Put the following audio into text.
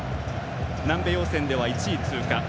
南米予選では１位通過。